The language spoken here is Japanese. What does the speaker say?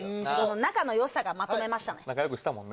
仲の良さがまとめましたね。